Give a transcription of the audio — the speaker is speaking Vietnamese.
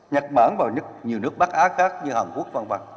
nhật bản và nhiều nước bắc á khác như hàn quốc